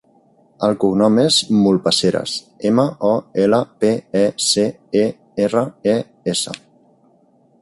El cognom és Molpeceres: ema, o, ela, pe, e, ce, e, erra, e, essa.